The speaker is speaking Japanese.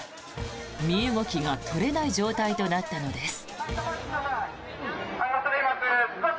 身動きが取れない状態となったのです。